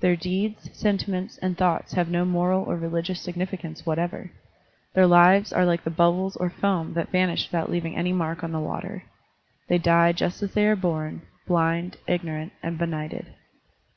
Their deeds, sentiments, and thoughts have no moral or religious significance whatever. Their lives are like the bubbles or foam that vanish without leaving any mark on the water. They die just as they are bom, blind, ignorant, and benighted.